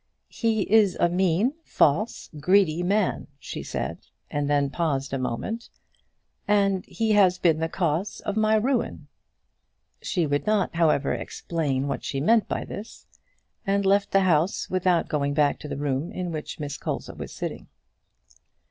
"He is a mean, false, greedy man," she said, and then paused a moment; "and he has been the cause of my ruin." She would not, however, explain what she meant by this, and left the house, without going back to the room in which Miss Colza was sitting.